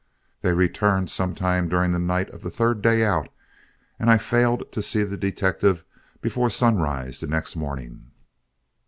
They returned some time during the night of the third day out, and I failed to see the detective before sunrise the next morning.